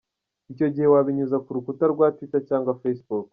Icyo gihe wabinyuza ku rubuga rwa Twitter cyangwa Facebook.